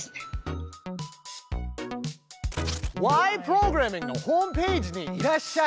プログラミング」のホームページにいらっしゃい。